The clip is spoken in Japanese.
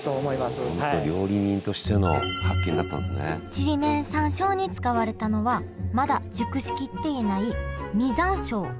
ちりめん山椒に使われたのはまだ熟しきっていない実山椒。